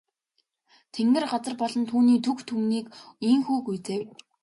Тэнгэр газар болон түүний түг түмнийг ийнхүү гүйцээв.